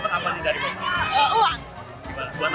buat apa nih rencana ya uang